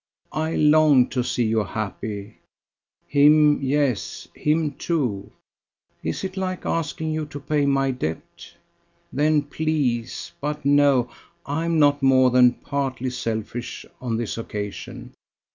I long to see you happy ... him, yes, him too. Is it like asking you to pay my debt? Then, please! But, no; I am not more than partly selfish on this occasion.